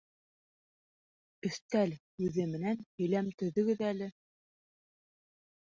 «Өҫтәл» һүҙе менән һөйләм төҙөгөҙ әле